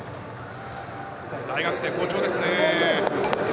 大学生、好調ですね。